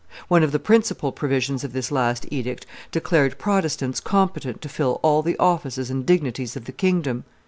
One of the principal provisions of this last edict declared Protestants competent to fill all the offices and dignities of the kingdom.